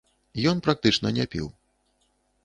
Ён практычна не піў.